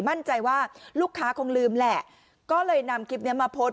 มั่นใจว่าลูกค้าคงลืมแหละก็เลยนำคลิปนี้มาโพสต์